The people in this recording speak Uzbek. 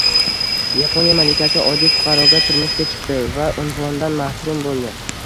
Yaponiya malikasi oddiy fuqaroga turmushga chiqdi va unvonidan mahrum bo‘ldi